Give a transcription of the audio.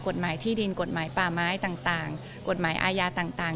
กฎหมายที่ดินกฎหมายป่าไม้ต่างกฎหมายอาญาต่าง